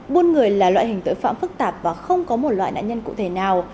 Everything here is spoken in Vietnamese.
buôn người là loại hình tội phạm phức tạp và không có một loại nạn nhân cụ thể nào